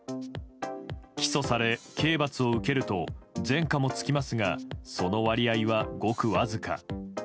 起訴され、刑罰を受けると前科もつきますがその割合はごくわずか。